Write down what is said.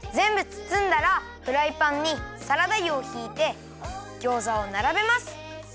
つつんだらフライパンにサラダ油をひいてギョーザをならべます。